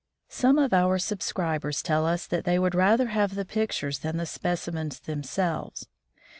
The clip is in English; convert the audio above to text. Some of our Subscribers tell us that they would rather have the pictures than the specimens themselves.